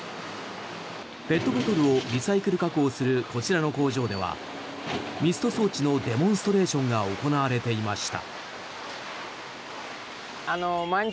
ペットボトルをリサイクル加工するこちらの工場ではミスト装置のデモンストレーションが行われていました。